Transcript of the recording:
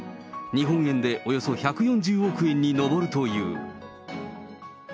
日本円でおよそ１４０億円に上るという。